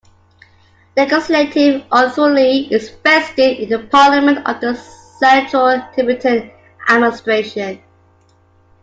Legislative authority is vested in the Parliament of the Central Tibetan Administration.